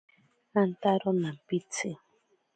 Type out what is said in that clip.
Antaro nampitsi.